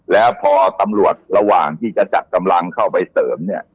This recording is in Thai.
แล้วพอตำรวจระหว่างที่จะจัดกำลังเข้าไปเสริมเนี่ย